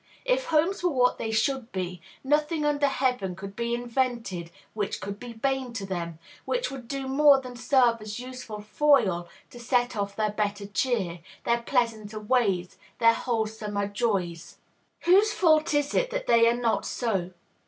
If homes were what they should be, nothing under heaven could be invented which could be bane to them, which would do more than serve as useful foil to set off their better cheer, their pleasanter ways, their wholesomer joys. Whose fault is it that they are not so?